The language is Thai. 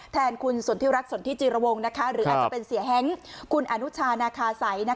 แทนคุณสนทิรัฐสนทิจิรวงศ์หรืออาจจะเป็นเสียแฮงคุณอนุชานาคาสัย